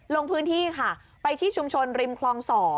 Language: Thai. ลงพื้นที่ค่ะไปที่ชุมชนริมคลอง๒